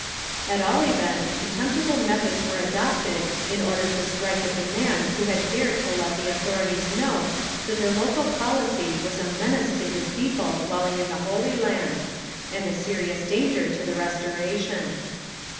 At all events, contemptible methods were adopted in order to strike at the man who had dared to let the authorities know that their local policy was a menace to his people dwelling in the Holy Land, and a serious danger to the Restoration.